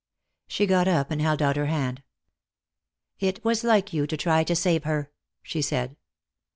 She got up and held out her hand. "It was like you to try to save her," she said.